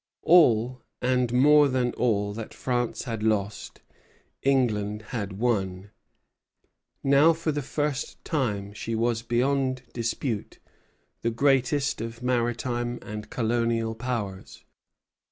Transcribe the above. All, and more than all, that France had lost England had won. Now, for the first time, she was beyond dispute the greatest of maritime and colonial Powers.